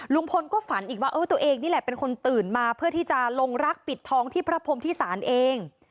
ลุงพลก็ฝันอีกว่าตัวเองนี่แหละเป็นคนตื่นมาเพื่อที่จะลงรักปิดทองที่พระพรมที่ศาลเอง